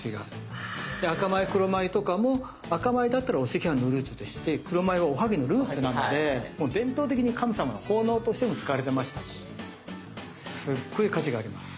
で赤米黒米とかも赤米だったらお赤飯のルーツとして黒米はおはぎのルーツなのでもう伝統的に神様の奉納としても使われてましたしすっごい価値があります。